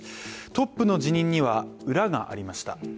トップの辞任には、裏がありました。